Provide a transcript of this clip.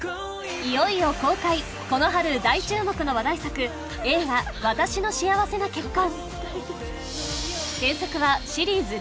いよいよ公開この春大注目の話題作映画「わたしの幸せな結婚」